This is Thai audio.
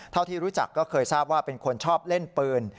เท่าที่รู้จักก็เคยทราบว่าเป็นคนชอบเล่นปืน